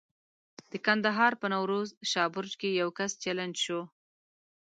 د کندهار په نوروز شاه برج کې یو کس چلنج شو.